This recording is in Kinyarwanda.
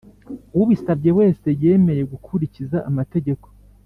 Ubisabye wese yemeye gukurikiza amategeko